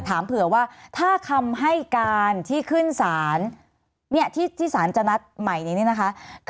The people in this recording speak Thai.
ถามเผื่อว่าถ้าคำให้การที่ขึ้นศาลที่สารจะนัดใหม่นี้เนี่ยนะคะ